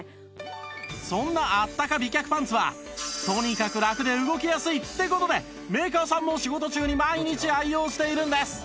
そんなあったか美脚パンツはとにかくラクで動きやすい！って事でメーカーさんも仕事中に毎日愛用しているんです